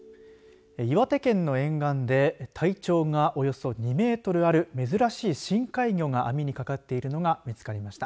岩手県の沿岸で体長がおよそ２メートルある珍しい深海魚が網にかかっているのが見つかりました。